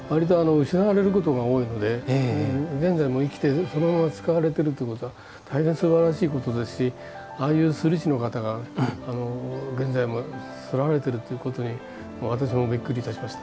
版木が現在も生きてそのまま使われてるというのは大概すばらしいことですしああいう刷り師の方が現在も刷られてるということに私もびっくりいたしました。